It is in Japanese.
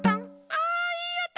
あいいおと！